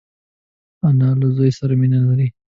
انا له زوی سره مینه لري